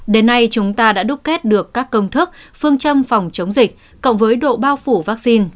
đến nay chúng ta đã đúc kết được các công thức phương châm phòng chống dịch cộng với độ bao phủ vaccine